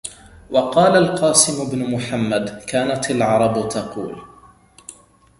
وَقَالَ الْقَاسِمُ بْنُ مُحَمَّدٍ كَانَتْ الْعَرَبُ تَقُولُ